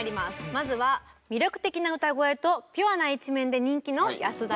まずは魅力的な歌声とピュアな一面で人気の安田章大さん。